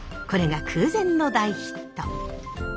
これが空前の大ヒット。